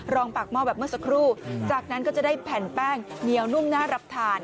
ปากหม้อแบบเมื่อสักครู่จากนั้นก็จะได้แผ่นแป้งเหนียวนุ่มน่ารับทาน